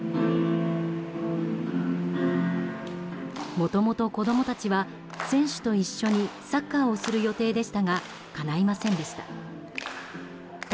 もともと子供たちは選手と一緒にサッカーをする予定でしたがかないませんでした。